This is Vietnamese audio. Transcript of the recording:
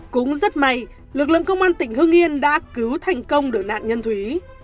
cũng rất may lực lượng công an tỉnh hương nghiền đã cứu thành công được nạn nhân thúy